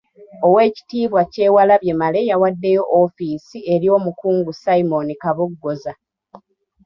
Oweekitiibwa Kyewalabye Male yawaddeyo ofiisi eri Omukungu Simon Kaboggoza.